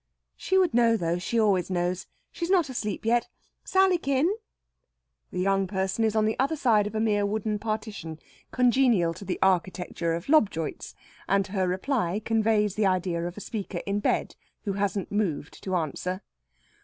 "She would know, though. She always knows. She's not asleep yet ... Sallykin!" The young person is on the other side of a mere wooden partition, congenial to the architecture of Lobjoit's, and her reply conveys the idea of a speaker in bed who hasn't moved to answer.